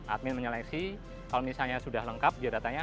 admin menyeleksi kalau misalnya sudah lengkap biodatanya